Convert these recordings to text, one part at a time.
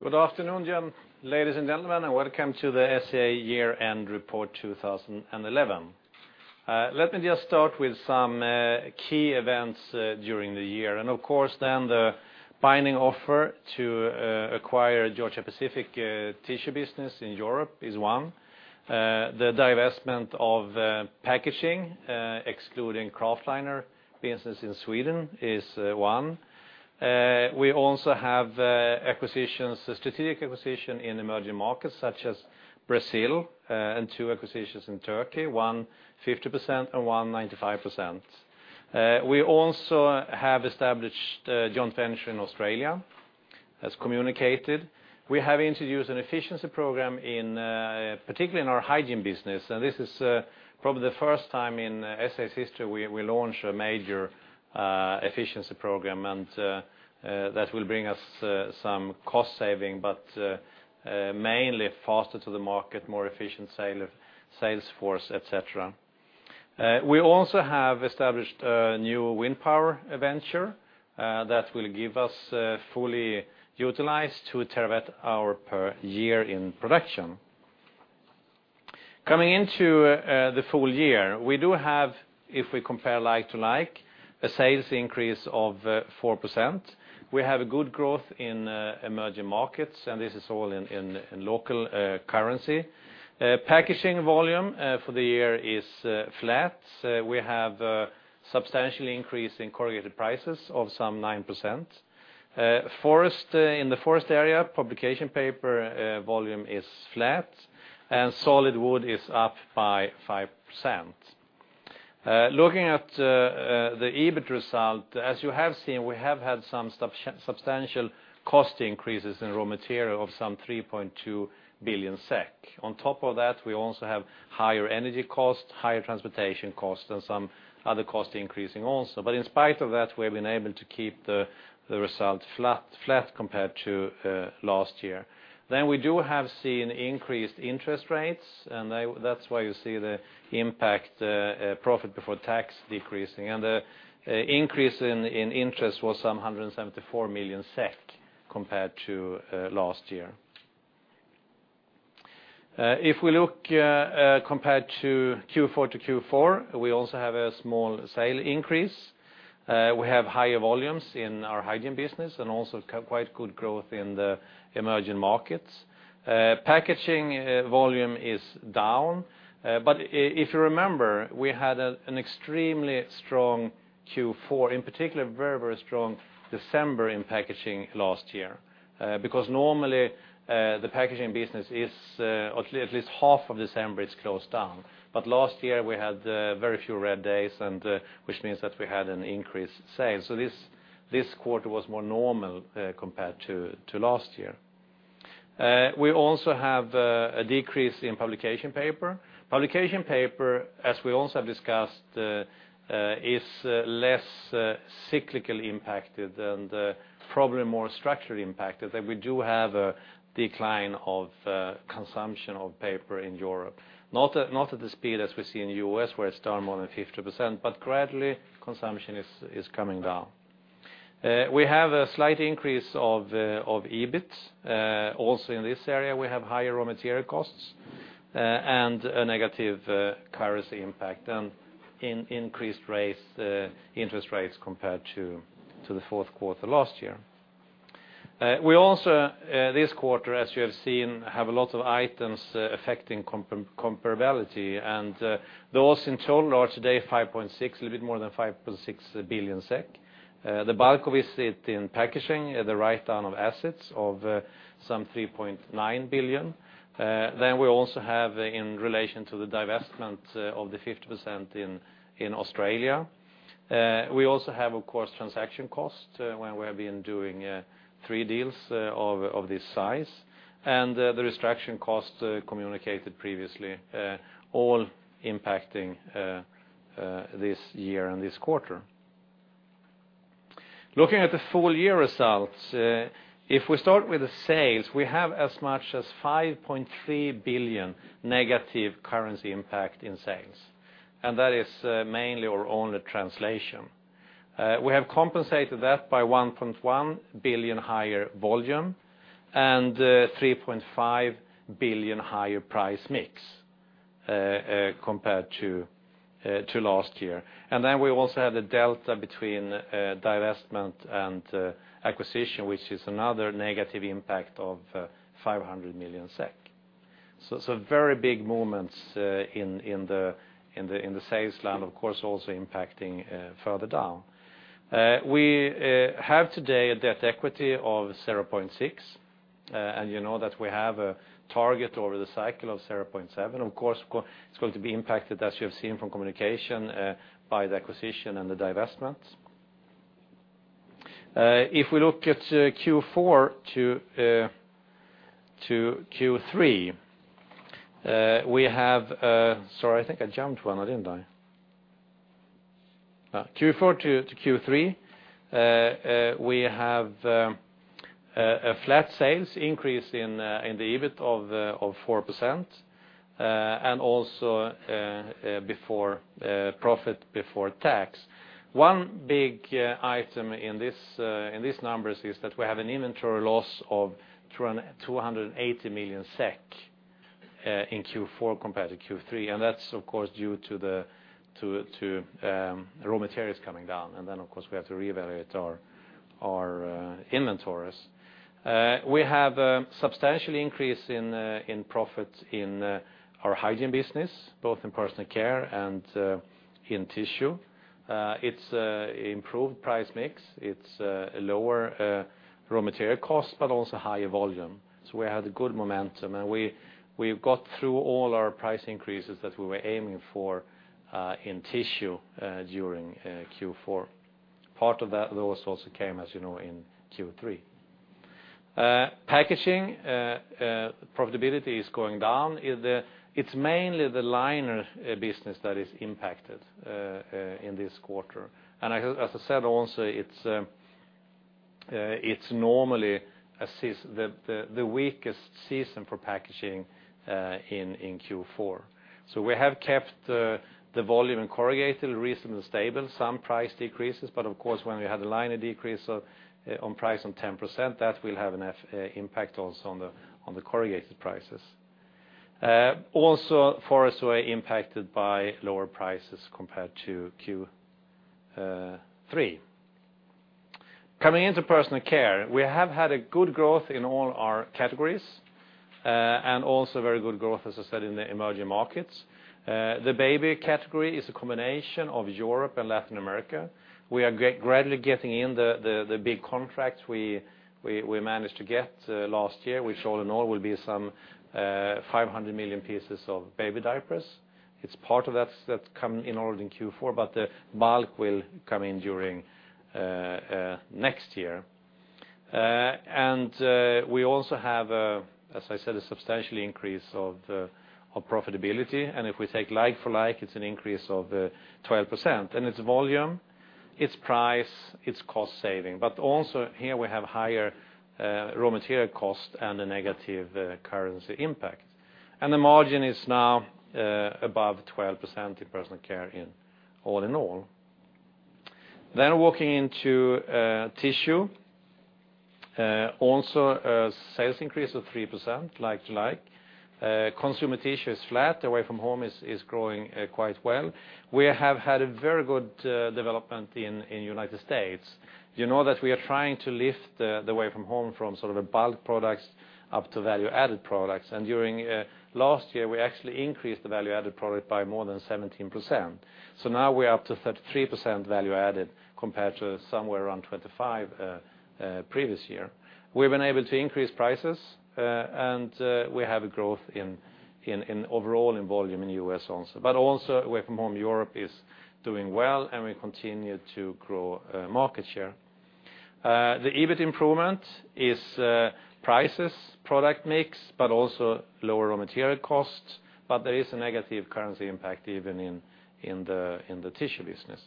Good afternoon, ladies and gentlemen, and welcome to the SCA Year-end Report 2011. Let me just start with some key events during the year. Of course, the binding offer to acquire Georgia-Pacific tissue business in Europe is one. The divestment of packaging, excluding craftliner business in Sweden, is one. We also have strategic acquisitions in emerging markets such as Brazil and two acquisitions in Turkey, one 50% and one 95%. We also have established joint venture in Australia, as communicated. We have introduced an efficiency program, particularly in our hygiene business, and this is probably the first time in SCA's history we launched a major efficiency program, and that will bring us some cost savings, but mainly faster to the market, more efficient sales force, et cetera. We also have established a new wind power venture that will give us fully utilized 2 TWh per year in production. Coming into the full year, we do have, if we compare like to like, a sales increase of 4%. We have a good growth in emerging markets, and this is all in local currency. Packaging volume for the year is flat. We have a substantial increase in corrugated prices of some 9%. In the forest area, publication paper volume is flat, and solid wood is up by 5%. Looking at the EBIT result, as you have seen, we have had some substantial cost increases in raw material of some 3.2 billion SEK. On top of that, we also have higher energy costs, higher transportation costs, and some other cost increases also. In spite of that, we have been able to keep the result flat compared to last year. We have seen increased interest rates, and that's why you see the impact profit before tax decreasing, and the increase in interest was some 174 million SEK compared to last year. If we look compared to Q4 to Q4, we also have a small sale increase. We have higher volumes in our hygiene business and also quite good growth in the emerging markets. Packaging volume is down, but if you remember, we had an extremely strong Q4, in particular, very, very strong December in packaging last year. Normally, the packaging business is at least half of December closed down. Last year, we had very few red days, which means that we had an increased sale. This quarter was more normal compared to last year. We also have a decrease in publication paper. Publication paper, as we also have discussed, is less cyclically impacted and probably more structurally impacted. We do have a decline of consumption of paper in Europe, not at the speed as we see in the U.S. where it's down more than 50%, but gradually, consumption is coming down. We have a slight increase of EBIT. Also in this area, we have higher raw material costs and a negative currency impact and increased interest rates compared to the fourth quarter last year. We also, this quarter, as you have seen, have a lot of items affecting comparability, and those in total are today 5.6 billion, a little bit more than 5.6 billion SEK. The bulk of it is in packaging, the write-down of assets of some 3.9 billion. Then we also have, in relation to the divestment of the 50% in Australia, we also have, of course, transaction costs when we have been doing three deals of this size, and the restructuring costs communicated previously, all impacting this year and this quarter. Looking at the full year results, if we start with the sales, we have as much as 5.3 billion negative currency impact in sales, and that is mainly or only translation. We have compensated that by 1.1 billion higher volume and 3.5 billion higher price/mix compared to last year. We also have the delta between divestment and acquisition, which is another negative impact of 500 million SEK. Very big movements in the sales line, of course, also impacting further down. We have today a debt/equity of 0.6, and you know that we have a target over the cycle of 0.7. Of course, it's going to be impacted, as you have seen from communication, by the acquisition and the divestment. If we look at Q4 to Q3, we have, sorry, I think I jumped one, didn't I? Q4 to Q3, we have a flat sales increase in the EBIT of 4%, and also profit before tax. One big item in these numbers is that we have an inventory loss of 280 million SEK in Q4 compared to Q3, and that's, of course, due to raw materials coming down. Of course, we have to reevaluate our inventories. We have a substantial increase in profit in our hygiene business, both in personal care and in tissue. It's an improved price/mix. It's a lower raw material cost, but also higher volume. We had a good momentum, and we got through all our price increases that we were aiming for in tissue during Q4. Part of that, though, also came, as you know, in Q3. Packaging profitability is going down. It's mainly the liner business that is impacted in this quarter. As I said, it's normally the weakest season for packaging in Q4. We have kept the volume in corrugated reasonably stable, some price decreases, but of course, when we had a liner decrease on price of 10%, that will have an impact also on the corrugated prices. Also, forests were impacted by lower prices compared to Q3. Coming into personal care, we have had a good growth in all our categories and also very good growth, as I said, in the emerging markets. The baby category is a combination of Europe and Latin America. We are gradually getting in the big contracts we managed to get last year, which all in all will be some 500 million pieces of baby diapers. It's part of that that's come in order in Q4, but the bulk will come in during next year. We also have, as I said, a substantial increase of profitability, and if we take like-for-like, it's an increase of 12%. It's volume, it's price, it's cost saving, but also here we have higher raw material cost and a negative currency impact. The margin is now above 12% in personal care in all in all. Walking into tissue, also, sales increase of 3%, like-for-like. Consumer tissue is flat. Away from Home is growing quite well. We have had a very good development in the United States. You know that we are trying to lift the Away from Home from sort of a bulk product up to value-added products. During last year, we actually increased the value-added product by more than 17%. Now we're up to 33% value added compared to somewhere around 25% previous year. We've been able to increase prices, and we have a growth in overall volume in the U.S. also. Away from Home Europe is doing well, and we continue to grow market share. The EBIT improvement is prices, product mix, but also lower raw material cost. There is a negative currency impact even in the tissue business.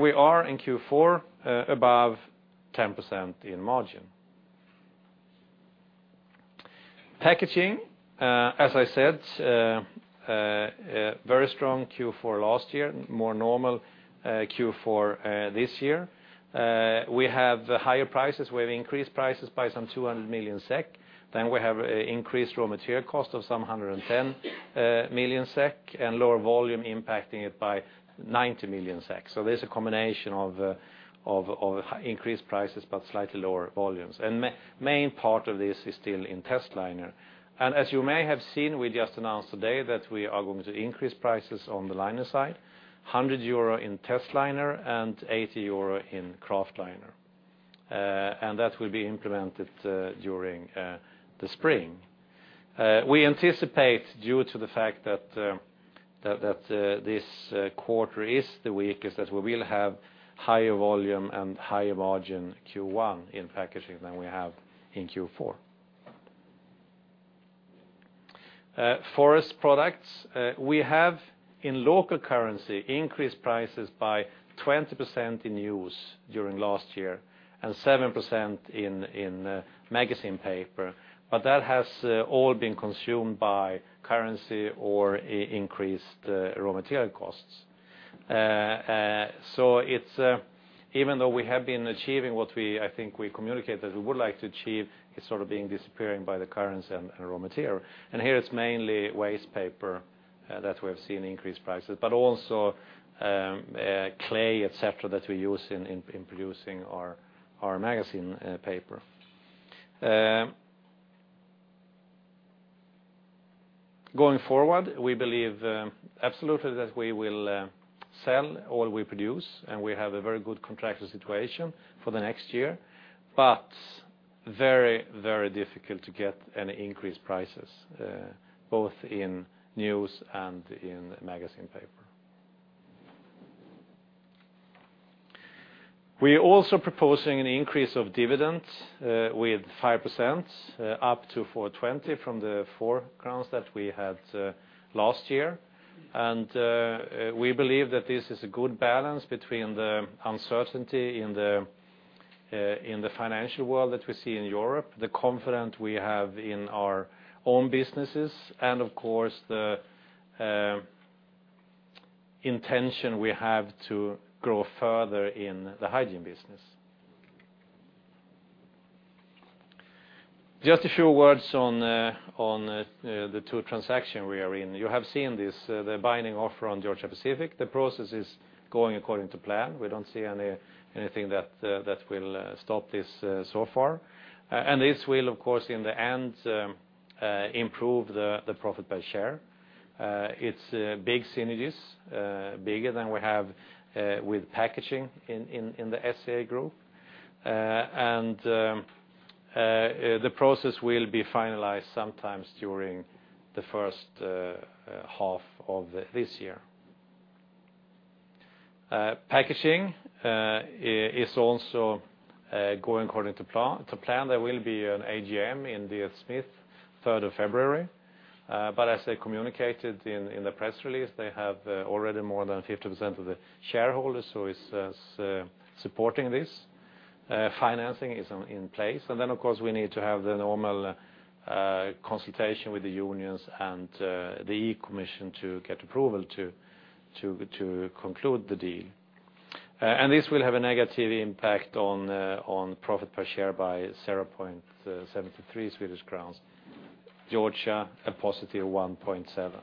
We are in Q4 above 10% in margin. Packaging, as I said, very strong Q4 last year, more normal Q4 this year. We have higher prices. We have increased prices by some 200 million SEK. We have increased raw material cost of some 110 million SEK and lower volume impacting it by 90 million SEK. There's a combination of increased prices but slightly lower volumes. The main part of this is still in test liner. As you may have seen, we just announced today that we are going to increase prices on the liner side, €100 in testliner and €80 in kraftliner. That will be implemented during the spring. We anticipate, due to the fact that this quarter is the weakest, that we will have higher volume and higher margin in Q1 in packaging than we have in Q4. Forest products, we have in local currency increased prices by 20% in news during last year and 7% in magazine paper. That has all been consumed by currency or increased raw material costs. Even though we have been achieving what I think we communicated that we would like to achieve, it's sort of disappearing by the currency and raw material. Here it's mainly waste paper that we have seen increased prices in, but also clay, etc., that we use in producing our magazine paper. Going forward, we believe absolutely that we will sell all we produce, and we have a very good contractual situation for the next year. It is very, very difficult to get any increased prices, both in news and in magazine paper. We are also proposing an increase of dividends with 5% up to 4.20 from the 4.00 crowns that we had last year. We believe that this is a good balance between the uncertainty in the financial world that we see in Europe, the confidence we have in our own businesses, and of course, the intention we have to grow further in the hygiene business. Just a few words on the two transactions we are in. You have seen this, the binding offer on Georgia-Pacific. The process is going according to plan. We do not see anything that will stop this so far. This will, of course, in the end, improve the profit per share. There are big synergies, bigger than we have with packaging in the SCA group. The process will be finalized sometime during the first half of this year. Packaging is also going according to plan. There will be an AGM in DS Smith, February 3. As I communicated in the press release, they already have more than 50% of the shareholders supporting this. Financing is in place. We need to have the normal consultation with the unions and the E-Commission to get approval to conclude the deal. This will have a negative impact on profit per share by 0.73 Swedish crowns. Georgia-Pacific, a positive 1.70.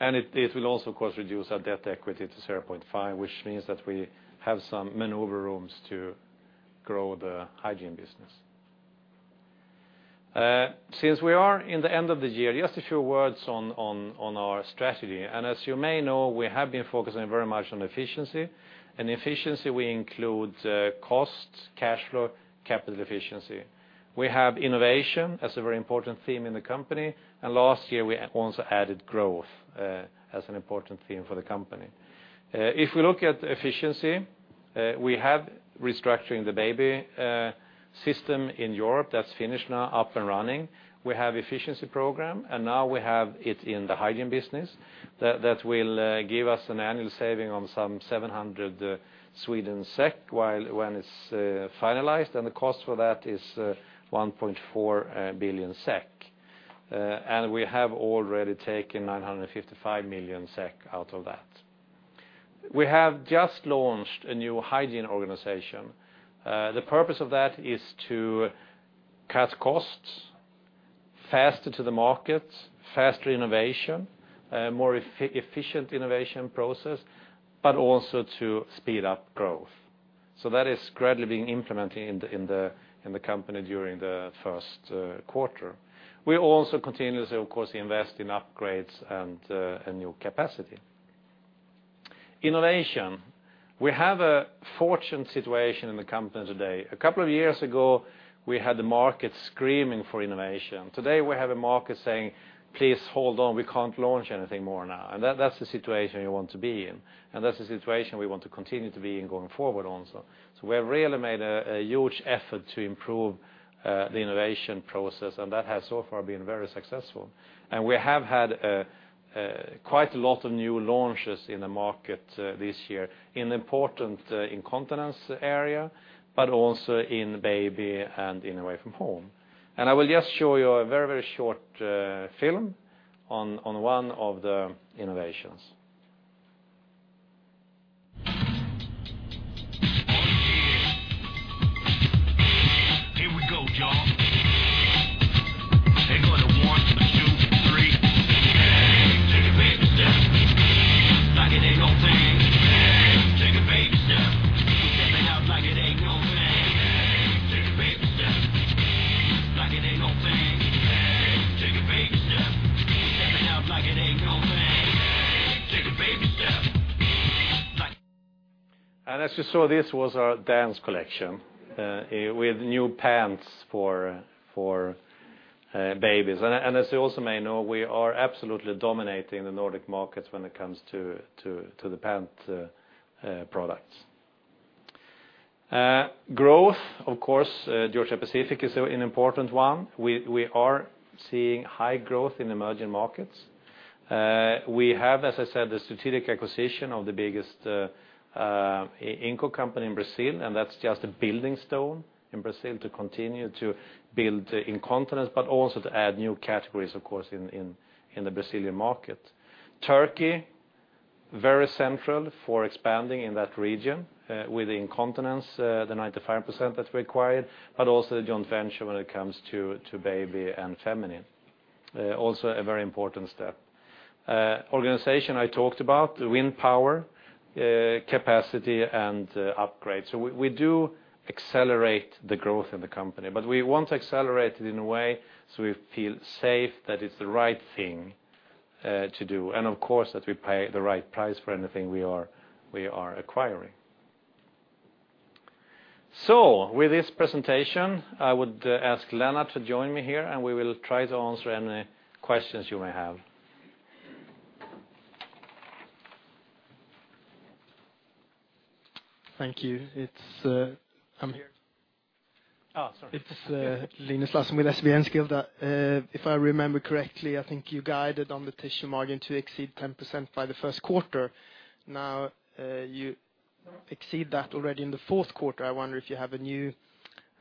It will also, of course, reduce our debt/equity to 0.5, which means that we have some maneuver room to grow the hygiene business. Since we are in the end of the year, just a few words on our strategy. As you may know, we have been focusing very much on efficiency. In efficiency, we include costs, cash flow, capital efficiency. We have innovation as a very important theme in the company. Last year, we also added growth as an important theme for the company. If we look at efficiency, we have restructured the baby system in Europe. That's finished now, up and running. We have an efficiency program, and now we have it in the hygiene business that will give us an annual saving of some 700 million when it's finalized. The cost for that is 1.4 billion SEK. We have already taken 955 million SEK out of that. We have just launched a new hygiene organization. The purpose of that is to cut costs, get faster to the market, faster innovation, more efficient innovation process, but also to speed up growth. That is gradually being implemented in the company during the first quarter. We also continuously, of course, invest in upgrades and new capacity. Innovation, we have a fortunate situation in the company today. A couple of years ago, we had the market screaming for innovation. Today, we have a market saying, "Please hold on. We can't launch anything more now." That's the situation you want to be in, and that's the situation we want to continue to be in going forward also. We have really made a huge effort to improve the innovation process, and that has so far been very successful. We have had quite a lot of new launches in the market this year in the important incontinence area, but also in baby and in Away from Home. I will just show you a very, very short film on one of the innovations. They're going to one to two to three. Yeah, I didn't take a baby step. Take a baby step. That's just, so this was our dance collection, with new pants for babies and, as you may know we are absolutely dominating the Nordic markets when it comes to the pant products. Growth, of course, of course, Georgia-Pacific is an important one. We are seeing high growth in emerging markets. We have, as I said, the strategic acquisition of the biggest Inco company in Brazil, and that's just a building stone in Brazil to continue to build incontinence, but also to add new categories, of course, in the Brazilian market. Turkey, very central for expanding in that region with the incontinence, the 95% that we acquired, but also the joint venture when it comes to baby and feminine. Also a very important step. Organization I talked about, wind power, capacity, and upgrades. We do accelerate the growth in the company, but we want to accelerate it in a way so we feel safe that it's the right thing to do. Of course, that we pay the right price for anything we are acquiring. With this presentation, I would ask Lennart to join me here, and we will try to answer any questions you may have. Thank you. I'm here. Oh, sorry. It's Linus Larsson with SEB Enskilda. If I remember correctly, I think you guided on the tissue margin to exceed 10% by the first quarter. Now you exceed that already in the fourth quarter. I wonder if you have a new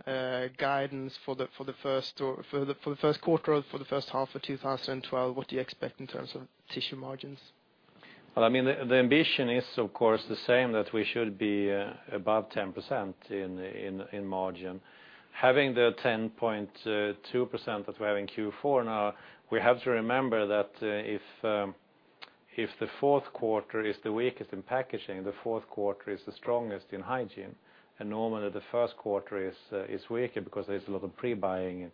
guidance for the first quarter or for the first half of 2012, what do you expect in terms of tissue margins? The ambition is, of course, the same that we should be above 10% in margin. Having the 10.2% that we have in Q4 now, we have to remember that if the fourth quarter is the weakest in packaging, the fourth quarter is the strongest in hygiene. Normally, the first quarter is weaker because there's a lot of pre-buying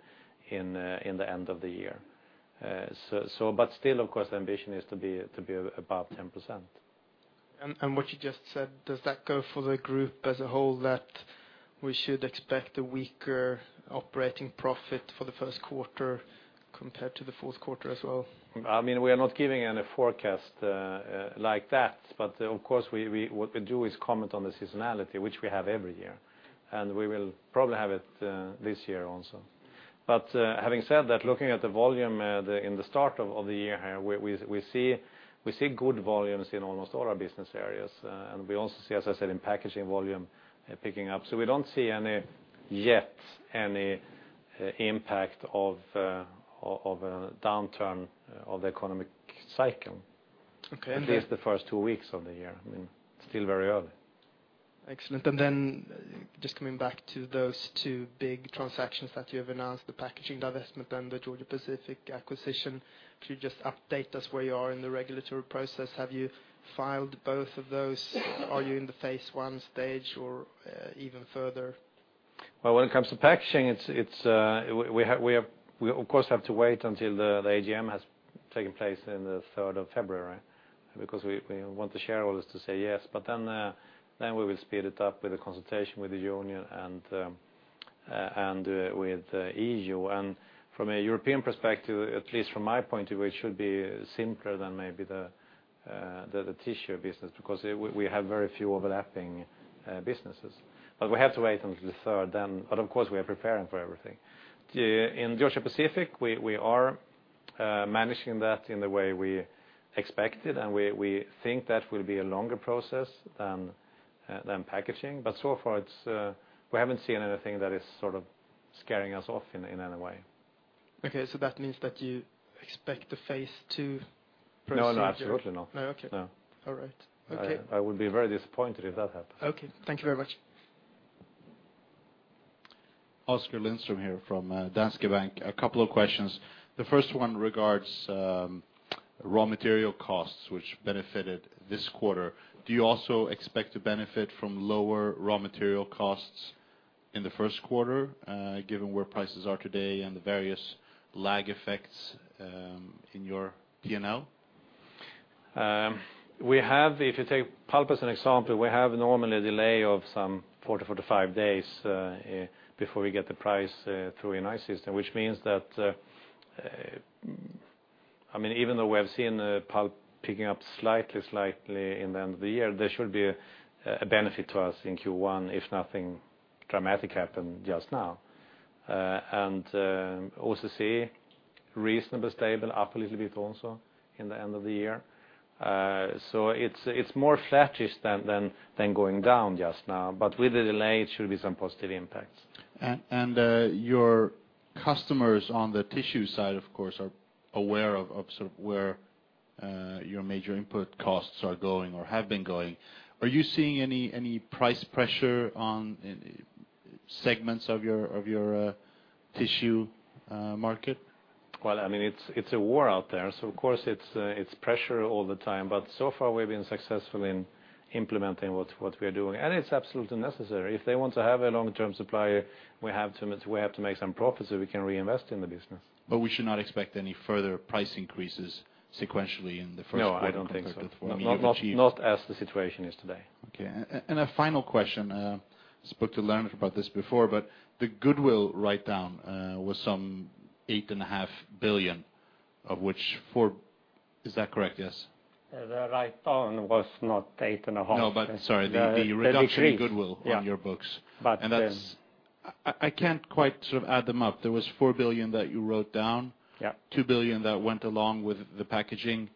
in the end of the year. Still, of course, the ambition is to be above 10%. Does what you just said go for the group as a whole, that we should expect a weaker operating profit for the first quarter compared to the fourth quarter as well? We are not giving any forecast like that, but of course, what we do is comment on the seasonality, which we have every year. We will probably have it this year also. Having said that, looking at the volume in the start of the year here, we see good volumes in almost all our business areas. We also see, as I said, in packaging, volume picking up. We don't see yet any impact of a downturn of the economic cycle, at least the first two weeks of the year. It's still very early. Excellent. Just coming back to those two big transactions that you have announced, the packaging divestment and the Georgia-Pacific acquisition, if you just update us where you are in the regulatory process, have you filed both of those? Are you in the phase one stage or even further? When it comes to packaging, we have to wait until the AGM has taken place on the 3rd of February because we want the shareholders to say yes. After that, we will speed it up with a consultation with the union and with the EU. From a European perspective, at least from my point of view, it should be simpler than maybe the tissue business because we have very few overlapping businesses. We have to wait until the 3rd then. Of course, we are preparing for everything. In Georgia-Pacific, we are managing that in the way we expected, and we think that will be a longer process than packaging. So far, we haven't seen anything that is sort of scaring us off in any way. Okay. That means that you expect the phase II process? No, absolutely not. No, okay. No. All right. Okay. I would be very disappointed if that happens. Okay, thank you very much. Oskar Lindstrom here from Danske Bank. A couple of questions. The first one regards raw material costs, which benefited this quarter. Do you also expect to benefit from lower raw material costs in the first quarter, given where prices are today and the various lag effects in your P&L? We have, if you take pulp as an example, we have normally a delay of some 40, 45 days before we get the price through in our system, which means that, I mean, even though we have seen pulp picking up slightly, slightly in the end of the year, there should be a benefit to us in Q1 if nothing dramatic happened just now. OCC, reasonably stable, up a little bit also in the end of the year. It is more flattish than going down just now. With the delay, it should be some positive impacts. Your customers on the tissue side, of course, are aware of sort of where your major input costs are going or have been going. Are you seeing any price pressure on segments of your tissue market? It is a war out there. Of course, it's pressure all the time, but so far, we've been successful in implementing what we are doing. It's absolutely necessary. If they want to have a long-term supplier, we have to make some profits so we can reinvest in the business. We should not expect any further price increases sequentially in the first quarter? No, I don't think so. Not as the situation is today. Okay. A final question. I spoke to Lennart about this before, but the goodwill write-down was some 8.5 billion, of which four, is that correct? Yes? The asset write-down was not 8.5 million. No, sorry, the reduction in goodwill on your books. Yeah, but. I can't quite sort of add them up. There was 4 billion that you wrote down, 2 billion that went along with the packaging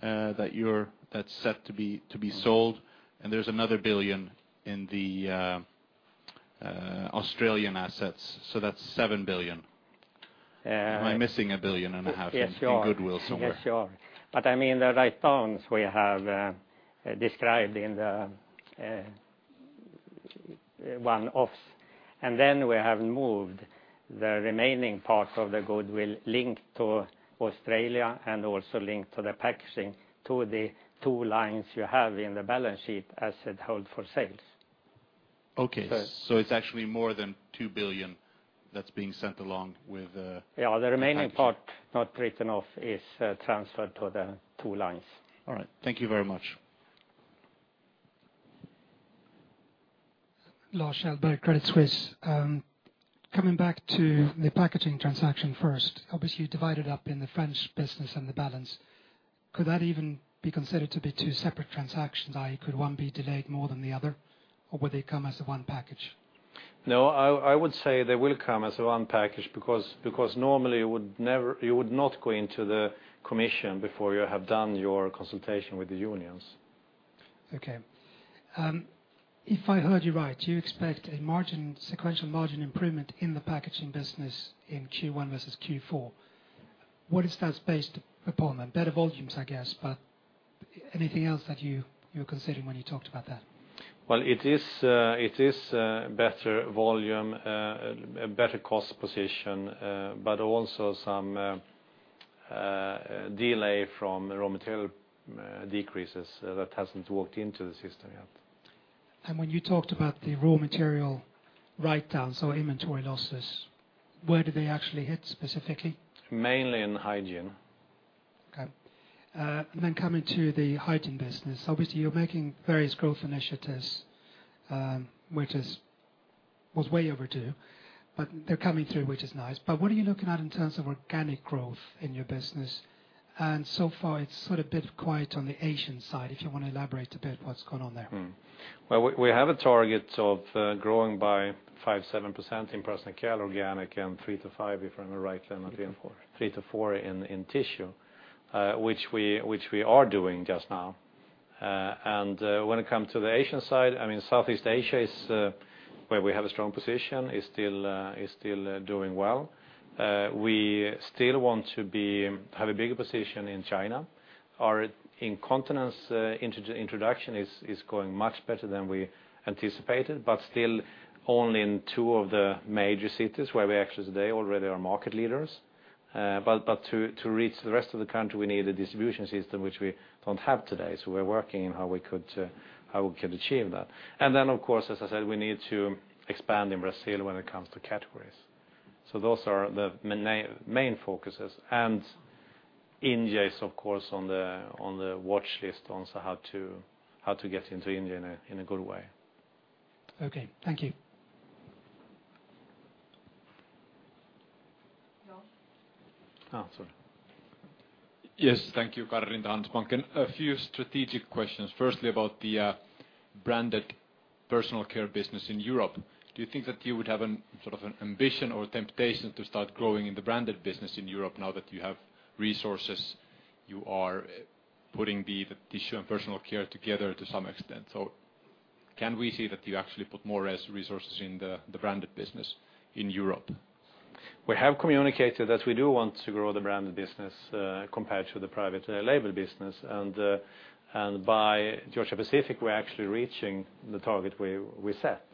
that you're set to be sold, and there's another 1 billion in the Australian assets. That's 7 billion. Am I missing 1.5 billion in goodwill somewhere? Yes, you are. I mean, the asset write-downs we have described in the one-offs. We have moved the remaining parts of the goodwill linked to Australia and also linked to the packaging to the two lines you have in the balance sheet, asset held for sales. Okay. It's actually more than 2 billion that's being sent along with. Yeah, the remaining part not written off is transferred to the two lines. All right, thank you very much. Lars Kjellberg, Credit Suisse. Coming back to the packaging transaction first, obviously, you divided up in the French business and the balance. Could that even be considered to be two separate transactions? Could one be delayed more than the other, or would they come as one package? No, I would say they will come as one package, because normally you would not go into the commission before you have done your consultation with the unions. Okay. If I heard you right, you expect a margin, sequential margin improvement in the packaging business in Q1 versus Q4. What is that based upon? Better volumes, I guess, but anything else that you were considering when you talked about that? It is better volume, a better cost position, but also some delay from raw material decreases that hasn't walked into the system yet. When you talked about the raw material write-downs, so inventory losses, where did they actually hit specifically? Mainly in hygiene. Okay. Coming to the hygiene business, obviously, you're making various growth initiatives, which was way overdue, but they're coming through, which is nice. What are you looking at in terms of organic growth in your business? So far, it's sort of a bit of quiet on the Asian side if you want to elaborate a bit what's going on there. We have a target of growing by 5-7% in personal care organic and 3-5%, if I'm right, Lennart. Three to four. Three to four in tissue, which we are doing just now. When it comes to the Asian side, I mean, Southeast Asia is where we have a strong position, is still doing well. We still want to have a bigger position in China. Our incontinence introduction is going much better than we anticipated, but still only in two of the major cities where we actually today already are market leaders. To reach the rest of the country, we need a distribution system, which we don't have today. We're working on how we could achieve that. Of course, as I said, we need to expand in Brazil when it comes to categories. Those are the main focuses. India is, of course, on the watch list on how to get into India in a good way. Okay. Thank you. Yes, thank you, Karri Rinta, Handelsbanken. A few strategic questions. Firstly, about the branded personal care business in Europe. Do you think that you would have a sort of an ambition or temptation to start growing in the branded business in Europe now that you have resources, you are putting the tissue and personal care together to some extent? Can we see that you actually put more resources in the branded business in Europe? We have communicated that we do want to grow the branded business compared to the private label business. By acquiring Georgia-Pacific, we're actually reaching the target we set.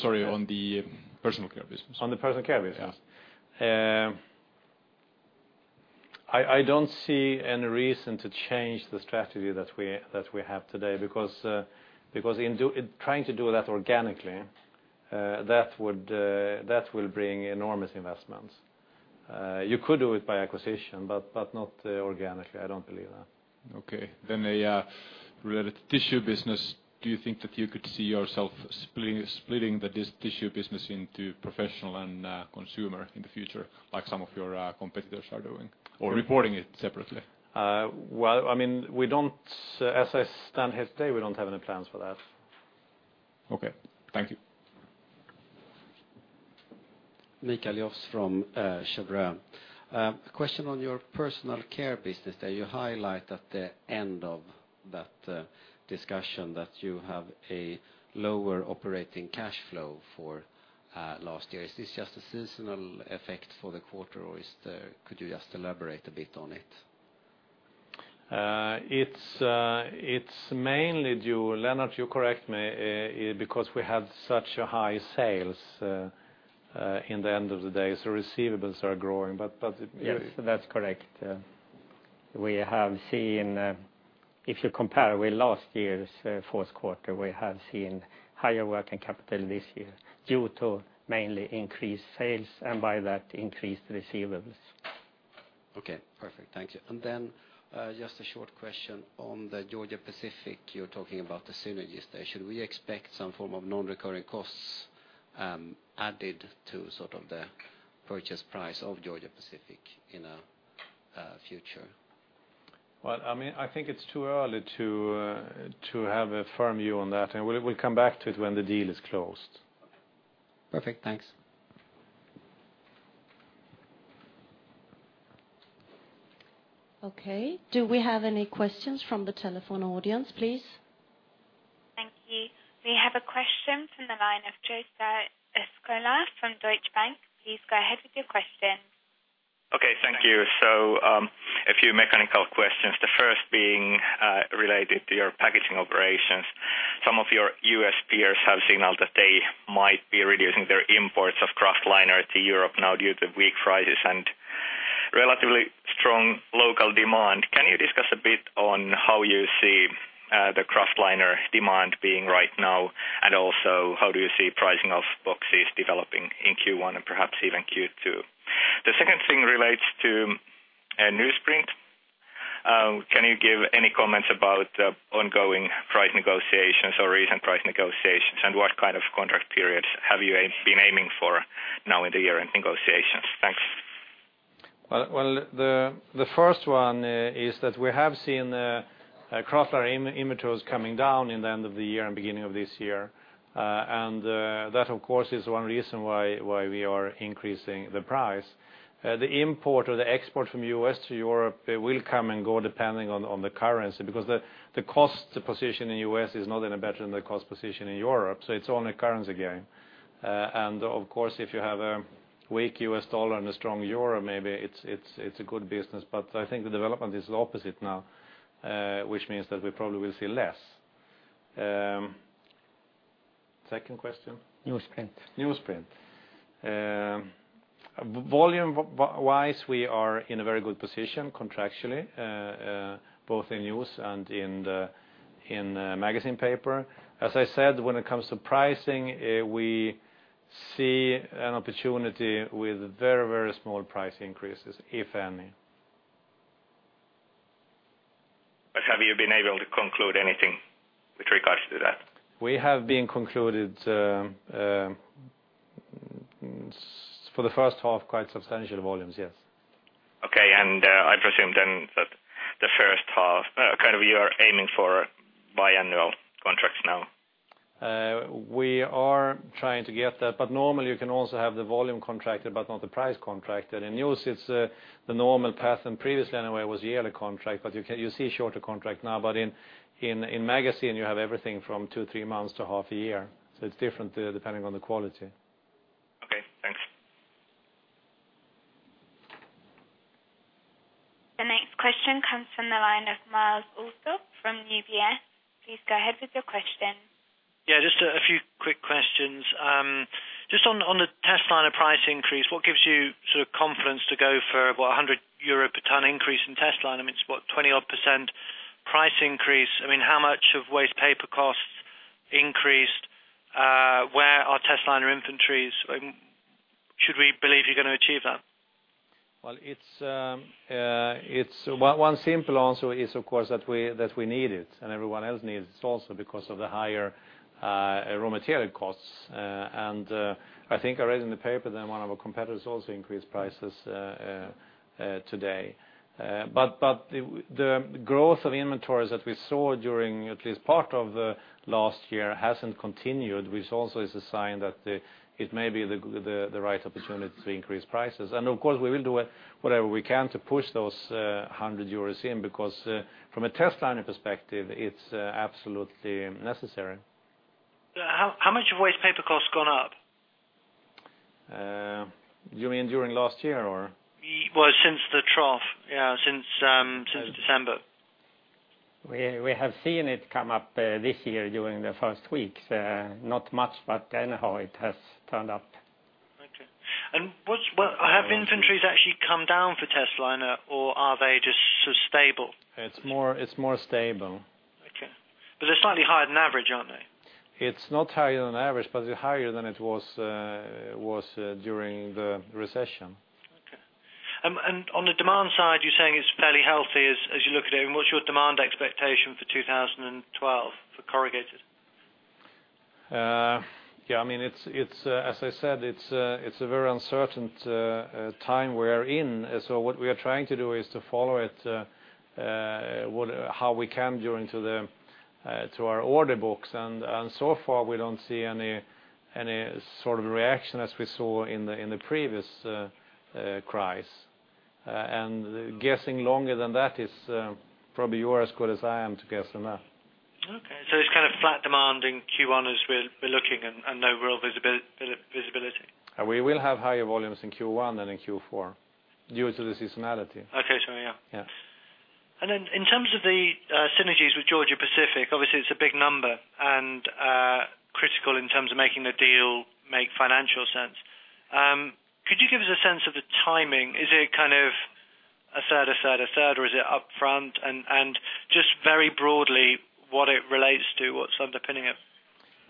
Sorry, on the personal care business. On the personal care business? Yeah. I don't see any reason to change the strategy that we have today, because trying to do that organically will bring enormous investments. You could do it by acquisition, but not organically. I don't believe that. Okay. Related to the tissue business, do you think that you could see yourself splitting the tissue business into professional and consumer in the future, like some of your competitors are doing, or reporting it separately? As I stand here today, we don't have any plans for that. Okay. Thank you. Mikael Jåfs from Cheuvreux. Question on your personal care business there. You highlight at the end of that discussion that you have a lower operating cash flow for last year. Is this just a seasonal effect for the quarter, or could you just elaborate a bit on it? It's mainly due, Lennart, you correct me, because we had such high sales in the end of the day. Receivables are growing, but. Yes, that's correct. We have seen, if you compare with last year's fourth quarter, we have seen higher working capital this year due to mainly increased sales and by that increased receivables. Okay. Perfect. Thank you. Just a short question on the Georgia-Pacific, you're talking about the synergies there. Should we expect some form of non-recurring costs added to the purchase price of Georgia-Pacific in the future? I think it's too early to have a firm view on that. We'll come back to it when the deal is closed. Perfect. Thanks. Okay. Do we have any questions from the telephone audience, please? Thank you. We have a question from the line of Jussi Uskola from Deutsche Bank. Please go ahead with your question. Thank you. A few mechanical questions. The first being related to your packaging operations. Some of your U.S. peers have signaled that they might be reducing their imports of kraftliner to Europe now due to the weak prices and relatively strong local demand. Can you discuss a bit on how you see the kraftliner demand being right now, and also how you see pricing of boxes developing in Q1 and perhaps even Q2? The second thing relates to newsprint. Can you give any comments about the ongoing price negotiations or recent price negotiations, and what kind of contract periods have you been aiming for now in the year in negotiations? Thanks. The first one is that we have seen kraftliner inventories coming down in the end of the year and beginning of this year. That, of course, is one reason why we are increasing the price. The import or the export from the U.S. to Europe will come and go depending on the currency because the cost position in the U.S. is not any better than the cost position in Europe. It's only a currency game. If you have a weak U.S. dollar and a strong euro, maybe it's a good business. I think the development is the opposite now, which means that we probably will see less. Second question? Newsprint. Newsprint. Volume-wise, we are in a very good position contractually, both in news and in magazine paper. As I said, when it comes to pricing, we see an opportunity with very, very small price increases, if any. Have you been able to conclude anything with regards to that? We have concluded for the first half quite substantial volumes, yes. Okay. I presume then that the first half, you are aiming for biannual contracts now. We are trying to get that. Normally, you can also have the volume contracted, but not the price contracted. In news, it's the normal path. Previously, anyway, it was a yearly contract, but you see shorter contracts now. In magazine, you have everything from two, three months to half a year. It is different depending on the quality. Okay. Thanks. The next question comes from the line of Myles Allsop from UBS. Please go ahead with your question. Yeah, just a few quick questions. Just on the test liner price increase, what gives you sort of confidence to go for about €100 per tonne increase in test liner? I mean, it's what, 20% price increase? I mean, how much have waste paper costs increased? Where are test liner inventories? Should we believe you're going to achieve that? It is one simple answer, of course, that we need it and everyone else needs it also because of the higher raw material costs. I think I read in the paper that one of our competitors also increased prices today. The growth of inventories that we saw during at least part of last year hasn't continued, which also is a sign that it may be the right opportunity to increase prices. Of course, we will do whatever we can to push those €100 in because from a testliner perspective, it's absolutely necessary. How much have waste paper costs gone up? You mean during last year, or? Since the trough, yeah, since December. We have seen it come up this year during the first weeks. Not much, but anyhow, it has turned up. Okay. Have inventories actually come down for test liner, or are they just so stable? It's more stable. Okay, they're slightly higher than average, aren't they? It's not higher than average, but it's higher than it was during the recession. Okay. On the demand side, you're saying it's fairly healthy as you look at it on the demand side. What's your demand expectation for 2012 for corrugated? Yeah, I mean, as I said, it's a very uncertain time we are in. What we are trying to do is to follow it how we can during our order books. So far, we don't see any sort of reaction as we saw in the previous crisis. Guessing longer than that is probably you're as good as I am to guess on that. Okay. It's kind of flat demand in Q1 as we're looking and no real visibility? We will have higher volumes in Q1 than in Q4 due to the seasonality. Okay, sorry, yeah. Yeah. In terms of the synergies with Georgia-Pacific, obviously, it's a big number and critical in terms of making the deal make financial sense. Could you give us a sense of the timing? Is it kind of a third, a third, a third, or is it upfront? Very broadly, what it relates to, what's underpinning it?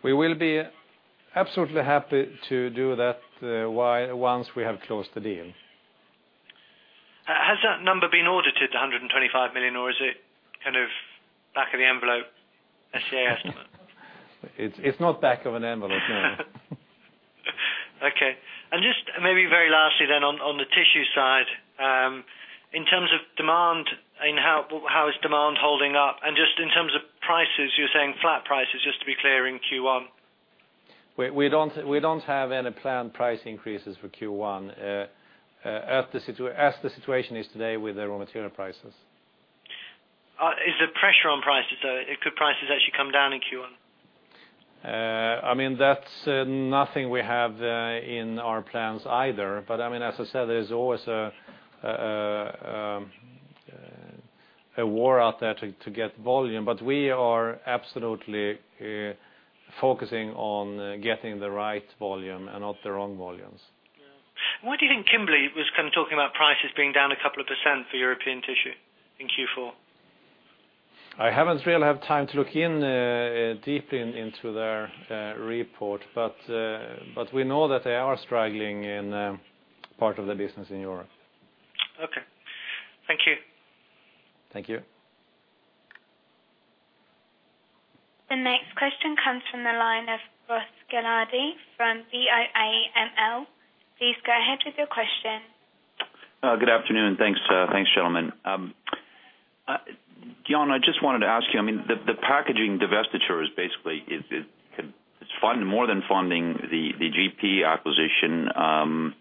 We will be absolutely happy to do that once we have closed the deal. Has that number been audited, the 125 million, or is it kind of back of the envelope SCA estimate? It's not back of an envelope, no. Okay. Just maybe very lastly on the tissue side, in terms of demand, how is demand holding up? In terms of prices, you're saying flat prices, just to be clear, in Q1. We don't have any planned price increases for Q1, as the situation is today with the raw material prices. Is there pressure on prices, though? Could prices actually come down in Q1? That's nothing we have in our plans either. As I said, there's always a war out there to get volume. We are absolutely focusing on getting the right volume and not the wrong volumes. What do you think Kimberly was kind of talking about prices being down a couple of pecentage for European tissue in Q4? I haven't really had time to look deeply into their report, but we know that they are struggling in part of the business in Europe. Okay. Thank you. Thank you. The next question comes from the line of Ross Gillardi from BIML. Please go ahead with your question. Good afternoon. Thanks, gentlemen. Jan, I just wanted to ask you, the packaging divestiture is basically, it's more than funding the Georgia-Pacific acquisition,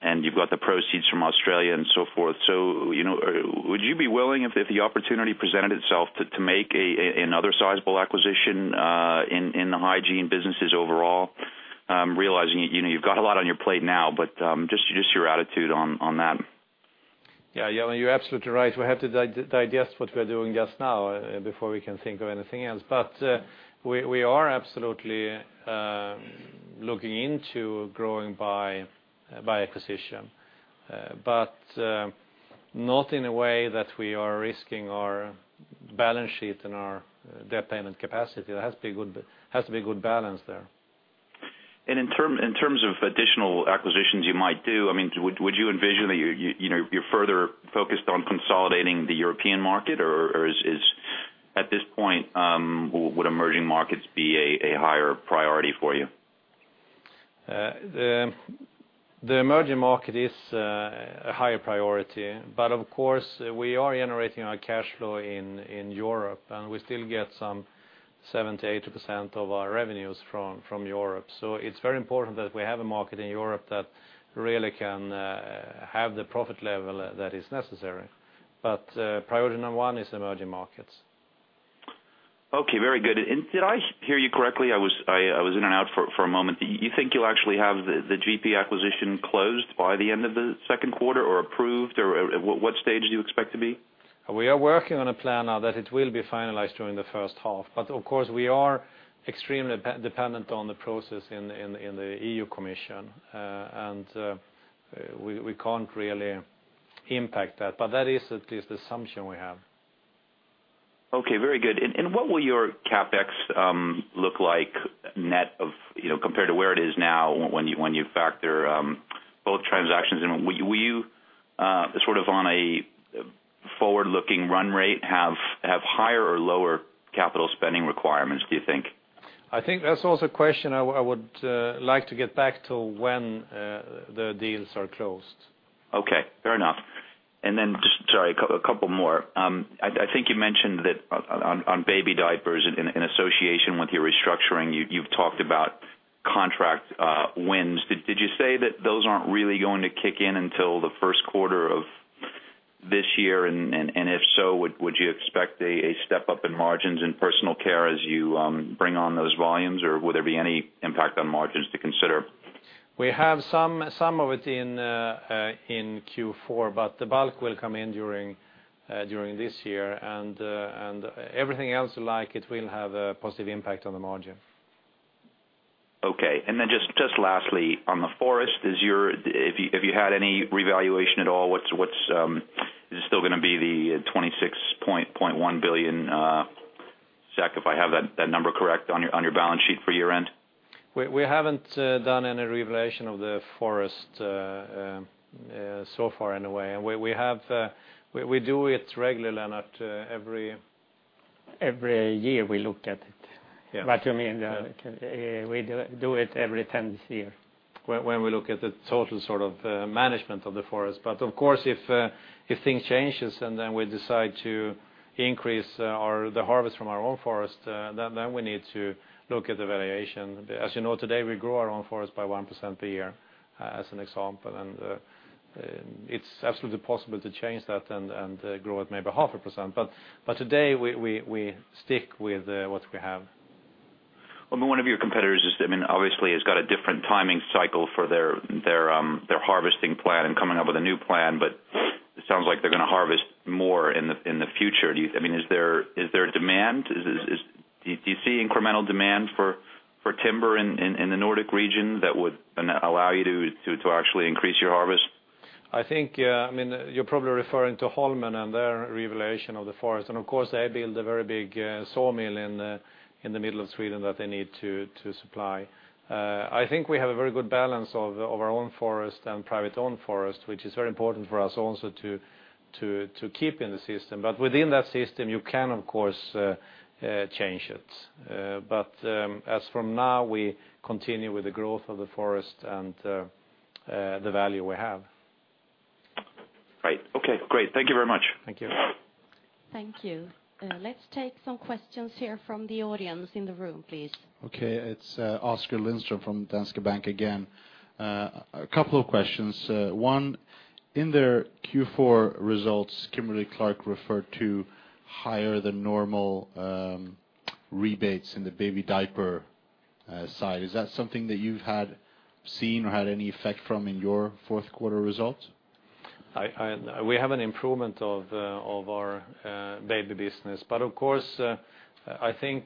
and you've got the proceeds from Australia and so forth. Would you be willing, if the opportunity presented itself, to make another sizable acquisition in the hygiene businesses overall, realizing you've got a lot on your plate now, but just your attitude on that? Yeah, you're absolutely right. We have to digest what we're doing just now before we can think of anything else. We are absolutely looking into growing by acquisition, not in a way that we are risking our balance sheet and our debt payment capacity. There has to be a good balance there. In terms of additional acquisitions you might do, would you envision that you're further focused on consolidating the European market, or at this point, would emerging markets be a higher priority for you? The emerging market is a higher priority, but of course, we are generating our cash flow in Europe, and we still get some 70-80% of our revenues from Europe. It is very important that we have a market in Europe that really can have the profit level that is necessary. Priority number one is emerging markets. Okay. Very good. Did I hear you correctly? I was in and out for a moment. You think you'll actually have the Georgia-Pacific acquisition closed by the end of the second quarter or approved, or what stage do you expect to be? We are working on a plan now that will be finalized during the first half. Of course, we are extremely dependent on the process in the EU Commission, and we can't really impact that. That is at least the assumption we have. Okay. Very good. What will your CapEx look like net compared to where it is now when you factor both transactions? Were you sort of on a forward-looking run rate? Have higher or lower capital spending requirements, do you think? I think that's also a question I would like to get back to when the deals are closed. Okay. Fair enough. Just, sorry, a couple more. I think you mentioned that on baby diapers, in association with your restructuring, you've talked about contract wins. Did you say that those aren't really going to kick in until the first quarter of this year? If so, would you expect a step up in margins in personal care as you bring on those volumes, or would there be any impact on margins to consider? We have some of it in Q4, but the bulk will come in during this year. Everything else like it will have a positive impact on the margin. Okay. Lastly, on the forest, have you had any reevaluation at all? Is it still going to be the 26.1 billion SEK, if I have that number correct, on your balance sheet for year-end? We haven't done any reevaluation of the forest so far. We do it regularly. Every year, we look at it. We do it every 10th year when we look at the total sort of management of the forest. Of course, if things change and we decide to increase the harvest from our own forest, we need to look at the variation. As you know, today we grow our own forest by 1% per year as an example. It's absolutely possible to change that and grow it maybe 0.5%. Today, we stick with what we have. One of your competitors obviously has got a different timing cycle for their harvesting plan and is coming up with a new plan, but it sounds like they're going to harvest more in the future. Is there demand? Do you see incremental demand for timber in the Nordic region that would allow you to actually increase your harvest? I think, yeah, I mean, you're probably referring to Holmen and their reevaluation of the forest. Of course, they built a very big sawmill in the middle of Sweden that they need to supply. I think we have a very good balance of our own forest and private-owned forest, which is very important for us also to keep in the system. Within that system, you can, of course, change it. As from now, we continue with the growth of the forest and the value we have. Right. Okay. Great. Thank you very much. Thank you. Thank you. Let's take some questions here from the audience in the room, please. Okay. It's Oskar Lindstrom from Danske Bank again. A couple of questions. One, in their Q4 results, Kimberly-Clark referred to higher than normal rebates in the baby diaper side. Is that something that you've seen or had any effect from in your fourth quarter results? We have an improvement of our baby business. Of course, I think,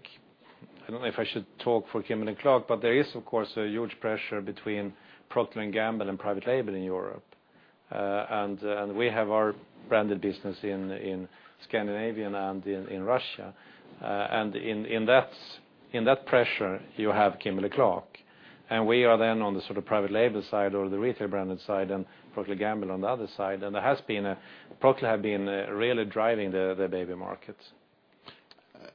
I don't know if I should talk for Kimberly-Clark, but there is, of course, a huge pressure between Procter & Gamble and private label in Europe. We have our branded business in Scandinavia and in Russia. In that pressure, you have Kimberly-Clark. We are then on the sort of private label side or the retail branded side and Procter & Gamble on the other side. Procter has been really driving the baby market.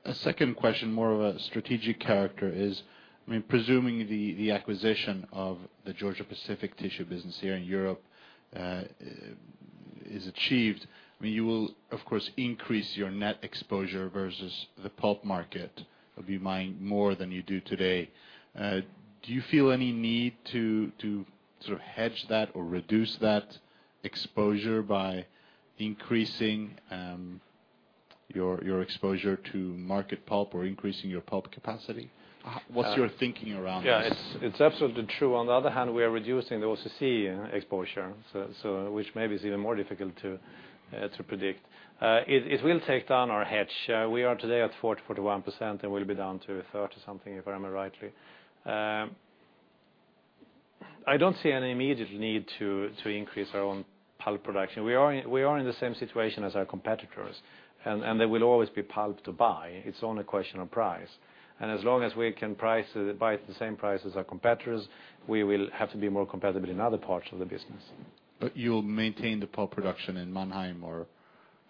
A second question, more of a strategic character, is, I mean, presuming the acquisition of the Georgia-Pacific tissue business here in Europe is achieved, you will, of course, increase your net exposure versus the pulp market of your mind more than you do today. Do you feel any need to sort of hedge that or reduce that exposure by increasing your exposure to market pulp or increasing your pulp capacity? What's your thinking around that? Yeah, it's absolutely true. On the other hand, we are reducing the OCC exposure, which maybe is even more difficult to predict. It will take down our hedge. We are today at 40%, 41%, and we'll be down to 30% something, if I remember rightly. I don't see any immediate need to increase our own pulp production. We are in the same situation as our competitors, and there will always be pulp to buy. It's only a question of price. As long as we can buy at the same price as our competitors, we will have to be more compatible in other parts of the business. Will you maintain the pulp production in Mannheim, or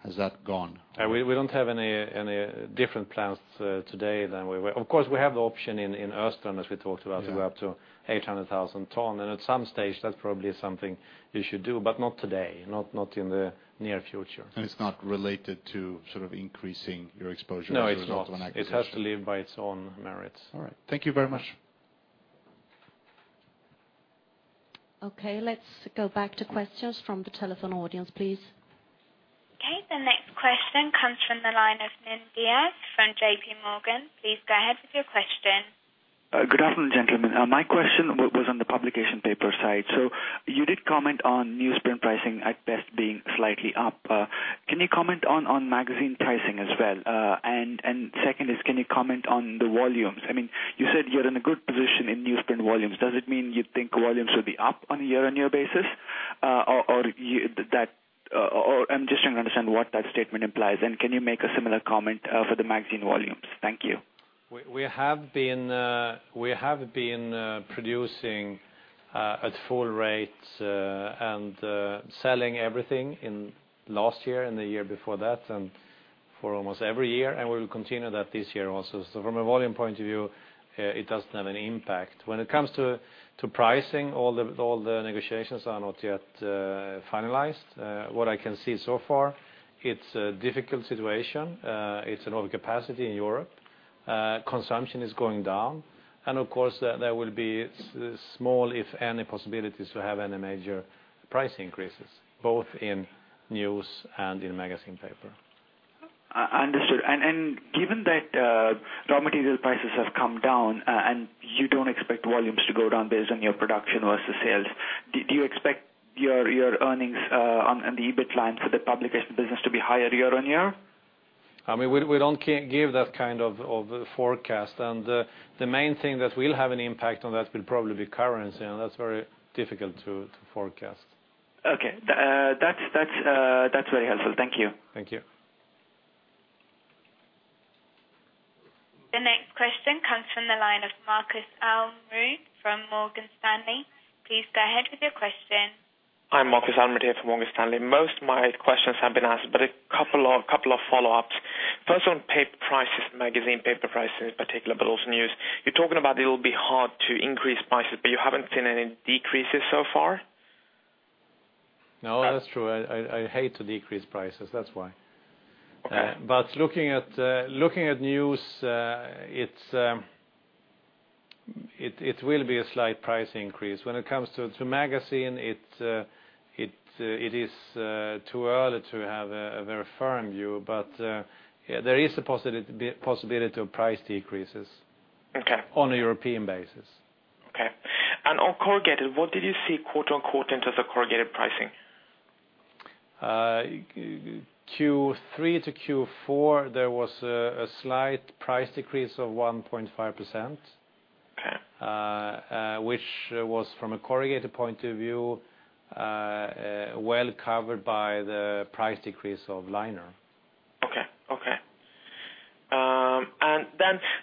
has that gone? We don't have any different plans today than we were. Of course, we have the option in Östrand, as we talked about, to go up to 800,000 tons. At some stage, that's probably something you should do, but not today, not in the near future. It is not related to sort of increasing your exposure as a result of an acquisition. No, it has to live by its own merits. All right, thank you very much. Okay. Let's go back to questions from the telephone audience, please. Okay. The next question comes from the line of Nin Diaz from JP Morgan. Please go ahead with your question. Good afternoon, gentlemen. My question was on the publication paper side. You did comment on newsprint pricing at best being slightly up. Can you comment on magazine pricing as well? Second, can you comment on the volumes? You said you're in a good position in newsprint volumes. Does it mean you think volumes will be up on a year-on-year basis? I'm just trying to understand what that statement implies. Can you make a similar comment for the magazine volumes? Thank you. We have been producing at full rates and selling everything in last year and the year before that, and for almost every year. We will continue that this year also. From a volume point of view, it doesn't have any impact. When it comes to pricing, all the negotiations are not yet finalized. What I can see so far, it's a difficult situation. It's an overcapacity in Europe. Consumption is going down. There will be small, if any, possibilities to have any major price increases, both in news and in magazine paper. Given that raw material prices have come down and you don't expect volumes to go down based on your production versus sales, do you expect your earnings on the EBIT line for the publication business to be higher year on year? We don't give that kind of forecast. The main thing that will have an impact on that will probably be currency, and that's very difficult to forecast. Okay. That's very helpful. Thank you. Thank you. The next question comes from the line of Marcus Almerud from Morgan Stanley. Please go ahead with your question. Hi, Marcus Almerud here from Morgan Stanley. Most of my questions have been asked, but a couple of follow-ups. First on prices, magazine paper prices in particular, but also news. You're talking about it will be hard to increase prices, but you haven't seen any decreases so far? No, that's true. I hate to decrease prices, that's why. Looking at news, it will be a slight price increase. When it comes to magazine, it is too early to have a very firm view. There is a possibility of price decreases on a European basis. Okay. On corrugated, what did you see into the corrugated pricing? Q3 to Q4, there was a slight price decrease of 1.5%, which was from a corrugated point of view well covered by the price decrease of liner. Okay. Okay.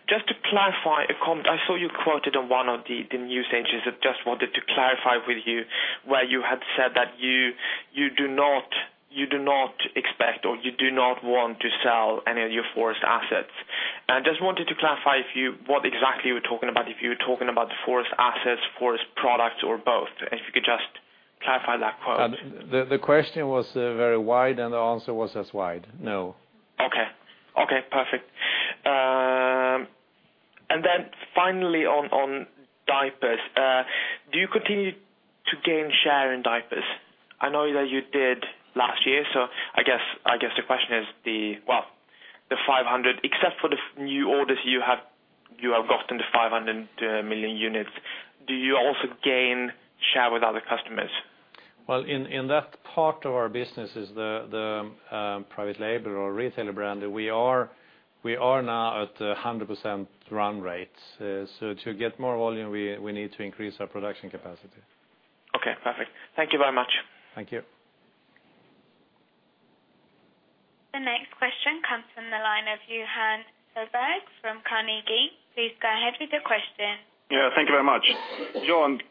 Just to clarify a comment, I saw you quoted on one of the news entries. I just wanted to clarify with you where you had said that you do not expect or you do not want to sell any of your forest assets. I just wanted to clarify what exactly you were talking about, if you were talking about the forest assets, forest products, or both. If you could just clarify that quote. The question was very wide, and the answer was as wide. No. Okay. Okay. Perfect. Finally, on diapers, do you continue to gain share in diapers? I know that you did last year. I guess the question is, the 500 million, except for the new orders you have, you have gotten the 500 million units, do you also gain share with other customers? In that part of our business is the private label or retailer brand. We are now at 100% run rates. To get more volume, we need to increase our production capacity. Okay. Perfect. Thank you very much. Thank you. The next question comes from the line of Johan Sjöberg from Carnegie. Please go ahead with your question. Thank you very much.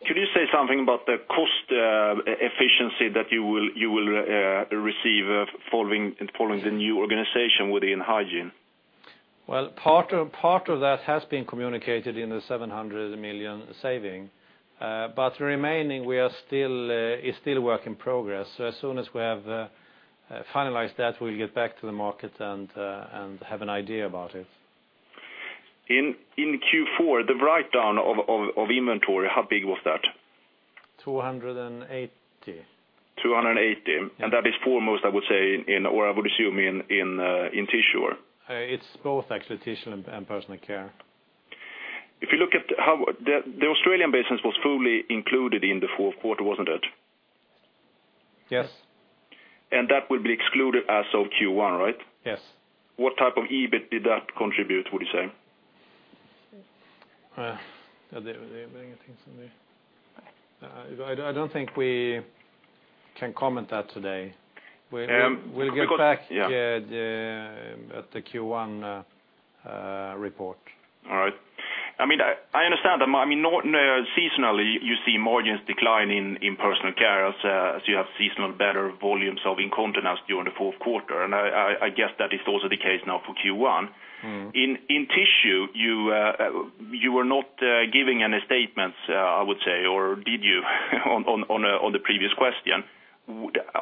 Can you say something about the cost efficiency that you will receive following the new organization within hygiene? Part of that has been communicated in the 700 million saving. The remaining is still a work in progress. As soon as we have finalized that, we'll get back to the market and have an idea about it. In Q4, the write-down of inventory, how big was that? 280. 280. That is foremost, I would say, or I would assume in tissue? It's both, actually, tissue and personal care. If you look at how the Australian business was fully included in the fourth quarter, wasn't it? Yes. That would be excluded as of Q1, right? Yes. What type of EBIT did that contribute, would you say? I don't think we can comment on that today. We'll get back at the Q1 report. All right. I understand that, seasonally, you see margins decline in personal care as you have seasonally better volumes of incontinence during the fourth quarter. I guess that is also the case now for Q1. In tissue, you were not giving any statements, I would say, or did you on the previous question?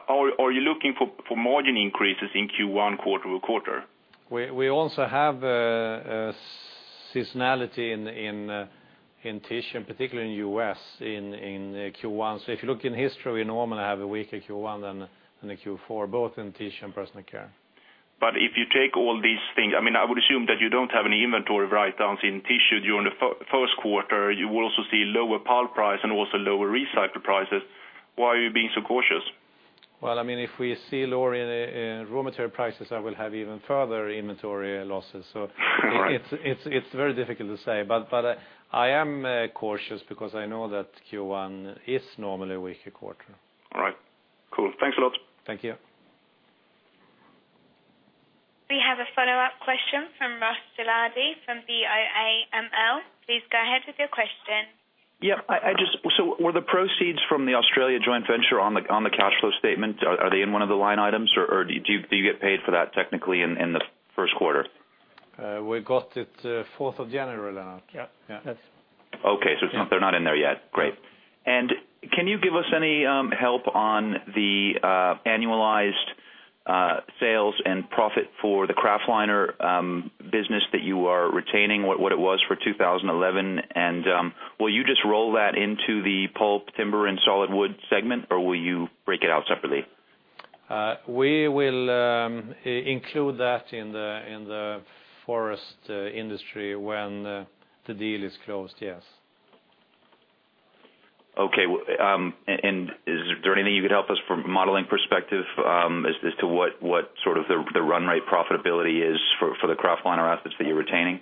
Are you looking for margin increases in Q1 quarter to quarter? We also have seasonality in tissue, in particular in the U.S., in Q1. If you look in history, we normally have a weaker Q1 than Q4, both in tissue and personal care. If you take all these things, I mean, I would assume that you don't have any inventory write-downs in tissue during the first quarter. You will also see lower pulp price and also lower recycle prices. Why are you being so cautious? If we see lower raw material prices, I will have even further inventory losses. It is very difficult to say. I am cautious because I know that Q1 is normally a weaker quarter. All right. Cool. Thanks a lot. Thank you. We have a follow-up question from Ross Gillardi from BIIML. Please go ahead with your question. Were the proceeds from the Australia joint venture on the cash flow statement, are they in one of the line items, or do you get paid for that technically in the first quarter? We got it 4th of January, Lennart. Yeah. Yeah. Okay. They're not in there yet. Great. Can you give us any help on the annualized sales and profit for the kraftliner business that you are retaining, what it was for 2011? Will you just roll that into the pulp, timber, and solid wood segment, or will you break it out separately? We will include that in the forest industry when the deal is closed, yes. Is there anything you could help us from a modeling perspective as to what sort of the run rate profitability is for the kraftliner assets that you're retaining?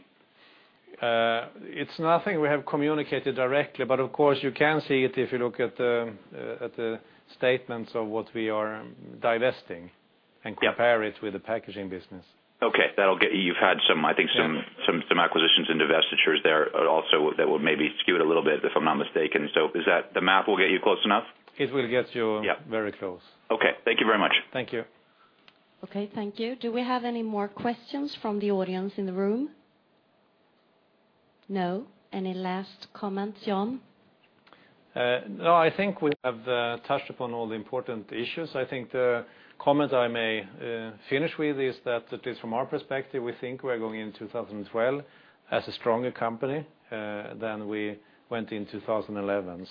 It's nothing we have communicated directly, but of course, you can see it if you look at the statements of what we are divesting and compare it with the packaging business. You've had some acquisitions and divestitures there also that would maybe skew it a little bit, if I'm not mistaken. Is that the math will get you close enough? It will get you very close. Okay, thank you very much. Thank you. Okay. Thank you. Do we have any more questions from the audience in the room? No? Any last comments, Jan? No, I think we have touched upon all the important issues. I think the comment I may finish with is that it is from our perspective, we think we're going into 2012 as a stronger company than we went in 2011.